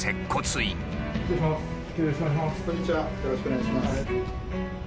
よろしくお願いします。